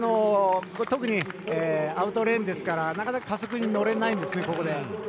特にアウトレーンですからなかなか加速に乗れないんですね、ここで。